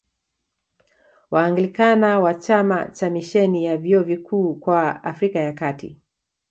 Waanglikana wa chama cha Misheni ya Vyuo Vikuu kwa Afrika ya Kati